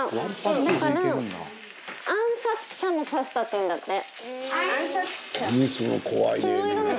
だから暗殺者のパスタって言うんだって。